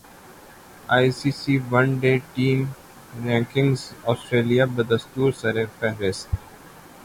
ائی C C one day team رینکنگاسٹریلیا بدستورسرفہرست